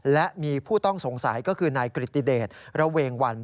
และมีผู้ต้องสงสัยก็คือนายกริติเดชระเวงวัน